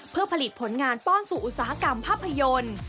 เพื่อผลิตผลงานป้อนสู่อุตสาหกรรมภาพยนตร์